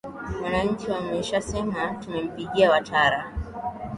wananchi wameshasema tunampigia watara